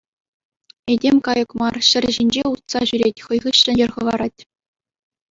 Этем кайӑк мар, ҫӗр ҫинче утса ҫӳрет, хай хыҫҫӑн йӗр хӑварать.